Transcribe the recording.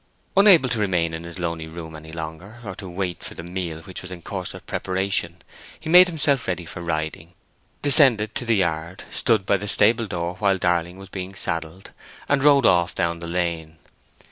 Unable to remain in this lonely room any longer, or to wait for the meal which was in course of preparation, he made himself ready for riding, descended to the yard, stood by the stable door while Darling was being saddled, and rode off down the lane.